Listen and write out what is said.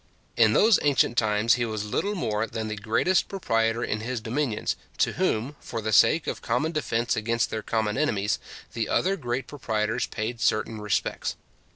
In those ancient times, he was little more than the greatest proprietor in his dominions, to whom, for the sake of common defence against their common enemies, the other great proprietors paid certain respects.